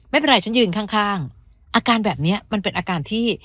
ไม่เป็นไรฉันยืนข้างอาการแบบนี้มันเป็นอาการที่